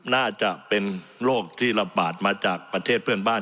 น่าจะเป็นโรคที่ระบาดมาจากประเทศเพื่อนบ้าน